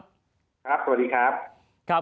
สวัสดีครับ